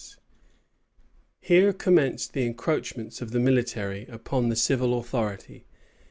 Here commenced the encroachments of the military upon the civil authority.